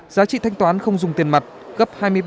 giá trị thanh toán không dùng tiền mặt gấp hai mươi ba lần gdp